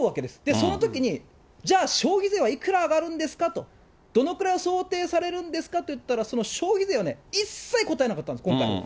そのときに、じゃあ、消費税はいくら上がるんですかと、どのくらいを想定されるんですかと言ったらその消費税をね、一切答えなかったんです、今回。